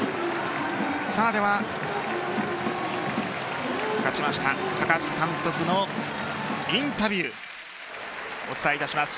では、勝ちました高津監督のインタビューお伝えいたします。